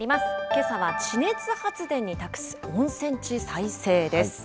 けさは地熱発電に託す温泉地再生です。